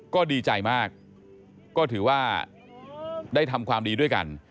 ก็ดีใจมากก็ถือว่าได้ทำความดีด้วยกัน